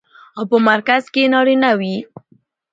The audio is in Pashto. او په مرکز کې يې نارينه وي.